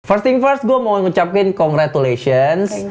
pertama tama gue mau ngucapkan kemahiran